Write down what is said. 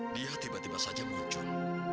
dia tiba tiba saja muncul